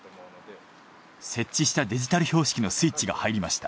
設置したデジタル標識のスイッチが入りました。